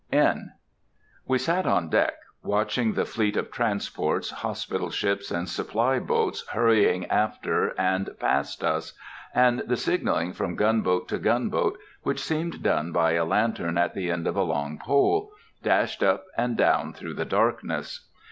(N.) We sat on deck ... watching the fleet of transports, hospital ships, and supply boats hurrying after and past us, and the signaling from gunboat to gunboat, which seemed done by a lantern at the end of a long pole, dashed up and down through the darkness.